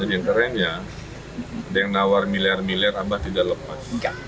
dan yang kerennya ada yang nawar miliar miliar abah tidak lepas